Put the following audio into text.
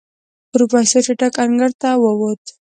پروفيسر چټک انګړ ته ووت.